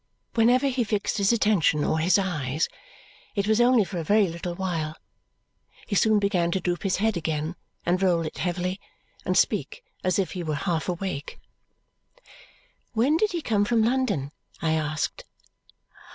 Whenever he fixed his attention or his eyes, it was only for a very little while. He soon began to droop his head again, and roll it heavily, and speak as if he were half awake. "When did he come from London?" I asked.